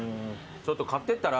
ちょっと買ってったら？